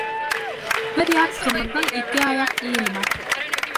Бер аяҡ ҡымыҙҙың ике аяҡ еле бар.